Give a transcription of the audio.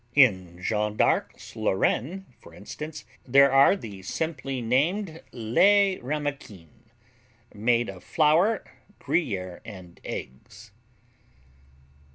In Jeanne d'Arc's Lorraine, for instance, there are the simply named Les Ramequins, made of flour, Gruyère and eggs.